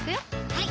はい